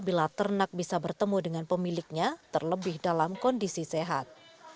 bila ternak bisa bertemu dengan pemiliknya terlebih dalam kondisi sehat